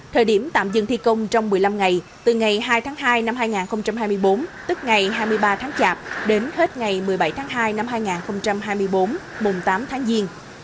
thời điểm tạm dừng thi công trong một mươi năm ngày từ ngày hai tháng hai năm hai nghìn hai mươi bốn tức ngày hai mươi ba tháng chạp đến hết ngày một mươi bảy tháng hai năm hai nghìn hai mươi bốn mùng tám tháng giêng